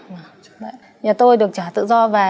nhà tôi được trả tự do về